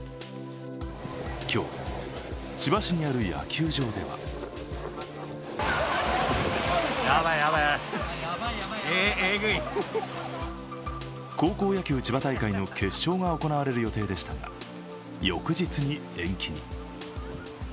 今日、千葉市にある野球場では高校野球千葉大会の決勝が行われる予定でしたが翌日に延期に。